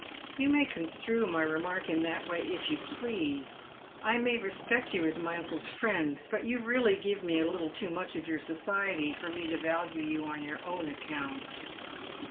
" You may constnie my remark in that way if you please. I may respect you as my uncle's friend, but you really give me a little too much of your society for me to value you on your own account."